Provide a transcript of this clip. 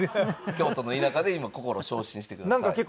京都の田舎で今心傷心してください。